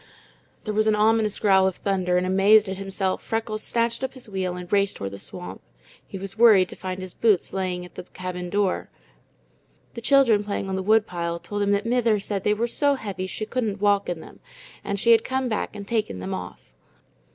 There was an ominous growl of thunder, and amazed at himself, Freckles snatched up his wheel and raced toward the swamp. He was worried to find his boots lying at the cabin door; the children playing on the woodpile told him that "mither" said they were so heavy she couldn't walk in them, and she had come back and taken them off.